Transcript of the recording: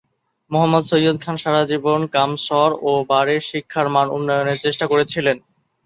মোহাম্মদ সৈয়দ খান সারা জীবন কামসর-ও-বারের শিক্ষার মান উন্নয়নের চেষ্টা করেছিলেন।